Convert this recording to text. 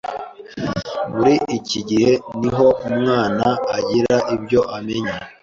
Muri iki gihe niho umwana agira ibyo amenya